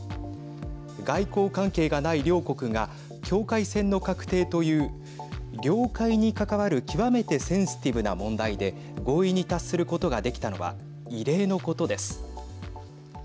外交関係がない両国が境界線の画定という領海に関わる極めてセンシティブな問題で合意に達することができたのは異例のことです。